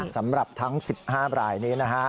สำหรับทั้ง๑๕รายนี้นะฮะ